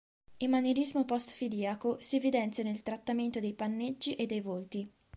Il manierismo post-fidiaco si evidenzia nel trattamento dei panneggi e dei volti.